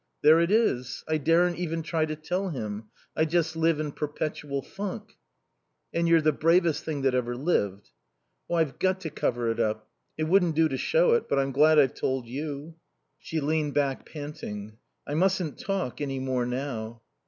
"There it is. I daren't even try to tell him. I just live in perpetual funk." "And you're the bravest thing that ever lived." "Oh, I've got to cover it up. It wouldn't do to show it. But I'm glad I've told you." She leaned back, panting. "I mustn't talk any more now."